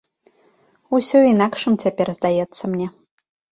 Усё інакшым цяпер здаецца мне.